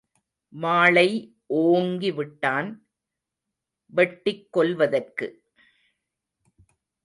வாளை ஓங்கி விட்டான், வெட்டிக்கொல்வதற்கு!